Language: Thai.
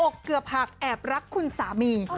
อกเกือบหักแอบรักคุณสามี